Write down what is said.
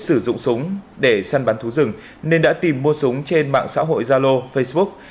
sử dụng súng để săn bắn thú rừng nên đã tìm mua súng trên mạng xã hội zalo facebook